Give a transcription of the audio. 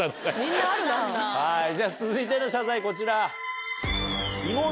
じゃ続いての謝罪こちら。